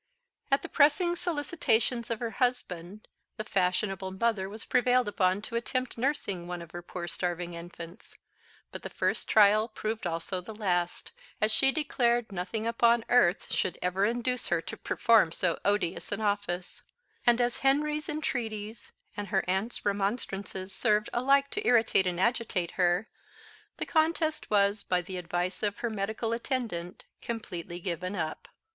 At the pressing solicitations of her husband, the fashionable mother was prevailed upon to attempt nursing one of her poor starving infants; but the first trial proved also the last, as she declared nothing upon earth should ever induce her to perform so odious an office; and as Henry's entreaties and her aunts' remonstrances served alike to irritate and agitate her, the contest was, by the advice of her medical attendant, completely given up.